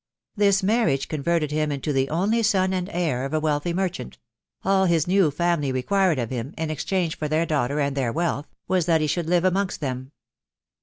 This marriage converted him into the only son and heir of a wealthy merchant ; all his new family required of him, in exchange for their daughter and their wealth, was, that he should live amongst them.